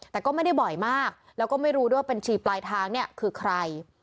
แต่ก็ไม่ได้บ่อยมากแล้วก็ไม่รู้ด้วยบัญชีปลายทางเนี่ยคือใคร